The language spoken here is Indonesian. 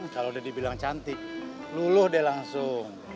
kalo udah dibilang cantik luluh deh langsung